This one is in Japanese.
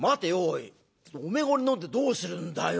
おめえが俺飲んでどうするんだよ？